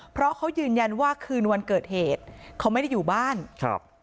เพราะเขายืนยันว่าคืนวันเกิดเหตุเขาไม่ได้อยู่บ้านครับ